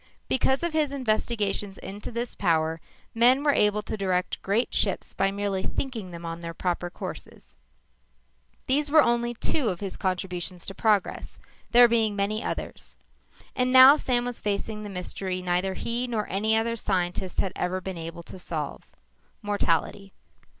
Because of his investigations into this power, men were able to direct great ships by merely "thinking" them on their proper courses. These were only two of his contributions to progress, there being many others. And now, Sam was facing the mystery neither he nor any other scientist had ever been able to solve. Mortality.